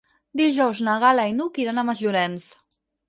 Dijous na Gal·la i n'Hug iran a Masllorenç.